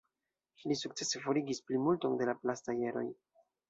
Li sukcese forigis plimulton de la plastaj eroj.